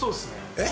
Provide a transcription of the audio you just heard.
えっ？